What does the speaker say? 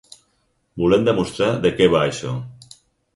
Volem demostrar de què va això.